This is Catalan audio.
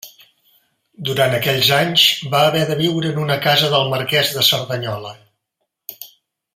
Durant aquells anys va haver de viure en una casa del marquès de Cerdanyola.